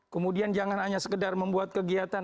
kemudian jangan hanya sekedar membuat kegiatan